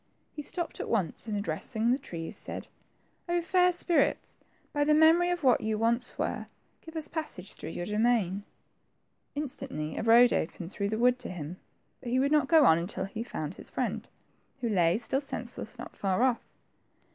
Pie stopped at once, and addressing the trees, said, — 0 fair spirits, by the memory of what you once were, give us passage through your domain.'' Instantly a road opened through the wood to him, but he would not go on unfil he had found his friend, who lay, still senseless, not far off.